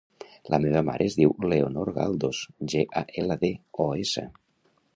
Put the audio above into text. La meva mare es diu Leonor Galdos: ge, a, ela, de, o, essa.